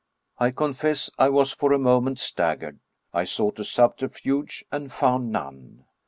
I confess I was for a moment staggered; I sought a subterfuge and found none.